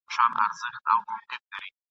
د بازانو له ځاليه !.